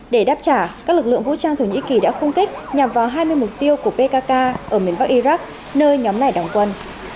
để đáp trả các lực lượng vũ trang thổ nhĩ kỳ đã khung kích nhằm vào hai mươi mục tiêu của pkk ở miền bắc iraq nơi nhóm này đóng quân